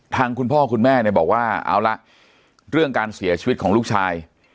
คุณพ่อคุณแม่เนี่ยบอกว่าเอาละเรื่องการเสียชีวิตของลูกชาย